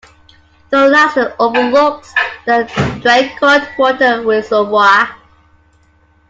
Thurlaston overlooks the Draycote Water reservoir.